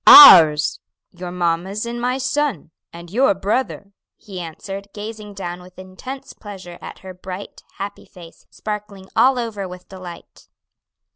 "Ours; your mamma's and my son, and your brother," he answered, gazing down with intense pleasure at her bright, happy face, sparkling all over with delight.